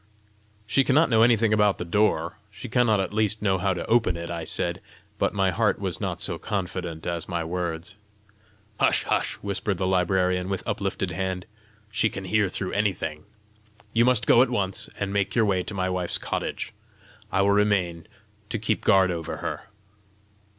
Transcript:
"She cannot know anything about the door! she cannot at least know how to open it!" I said; but my heart was not so confident as my words. "Hush, hush!" whispered the librarian, with uplifted hand; "she can hear through anything! You must go at once, and make your way to my wife's cottage. I will remain to keep guard over her."